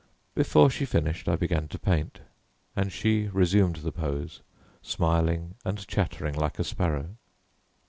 Before she finished I began to paint, and she resumed the pose, smiling and chattering like a sparrow.